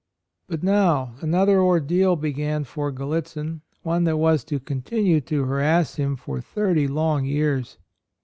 But now another ordeal began for Gallitzin, — one that was to continue to harass him for thirty long years.